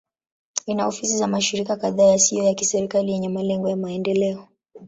Ina ofisi za mashirika kadhaa yasiyo ya kiserikali yenye malengo ya maendeleo.